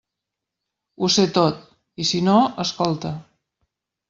Ho sé tot; i si no, escolta.